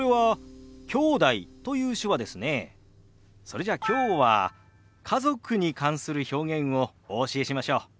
それじゃあきょうは家族に関する表現をお教えしましょう。